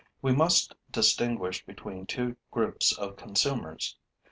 We must distinguish between two groups of consumers.